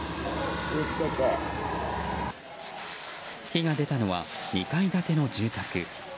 火が出たのは２階建ての住宅。